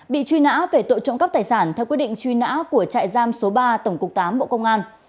bị truy nã về tội trộm cắp tài sản theo quyết định truy nã của trại giam số ba tổng cục tám bộ công an